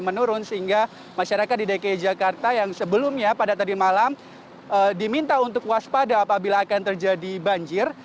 menurun sehingga masyarakat di dki jakarta yang sebelumnya pada tadi malam diminta untuk waspada apabila akan terjadi banjir